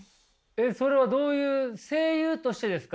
それはどういう声優としてですか？